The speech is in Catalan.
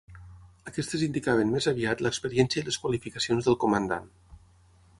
Aquestes indicaven més aviat l'experiència i les qualificacions del comandant.